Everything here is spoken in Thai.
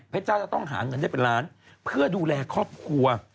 เจ้าจะต้องหาเงินได้เป็นล้านเพื่อดูแลครอบครัว